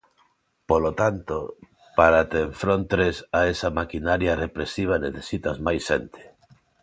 Polo tanto, para te enfrontres a esa maquinaria represiva necesitas máis xente.